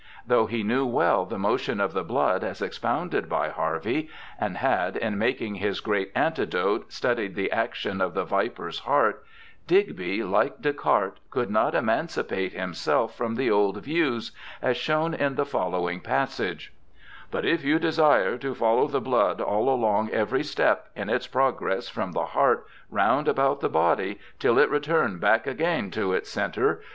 Though he knew well the motion of the blood as expounded by Harvey, and had, in making his great antidote, studied the action of the viper's heart, Digby, like Descartes, could not emancipate himself from the old views, as shown in the following passage :' But if you desire to follow the blood all along ev^ery steppe, in its progresse from the hart round about the body, till it returne back againe to its center.